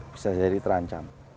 bisa jadi terancam